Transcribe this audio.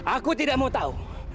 aku tidak mau tahu